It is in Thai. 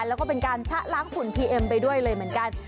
แล้วก็เป็นการชะล้างฝุ่นพีเอ็มไปด้วยเลยเหมือนกัน